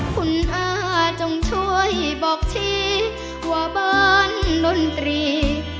คุณอาจงช่วยบอกทีว่าบ้านดนตรี